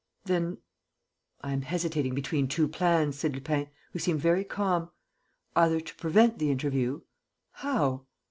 "Then...." "I am hesitating between two plans," said Lupin, who seemed very calm. "Either to prevent the interview...." "How?"